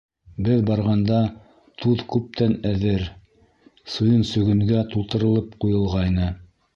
Беҙ барғанда туҙ күптән әҙер, суйын сөгөнгә тултырылып ҡуйылғайны.